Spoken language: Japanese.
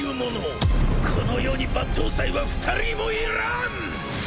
この世に抜刀斎は２人もいらん！